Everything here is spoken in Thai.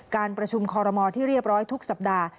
การประชุมคอรมอลที่เรียบร้อยทุกสัปดาห์